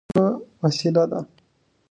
فرهنګ د ټولني د نظم او توازن ساتلو وسیله ده.